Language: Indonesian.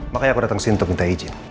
makanya aku datang ke sini untuk minta izin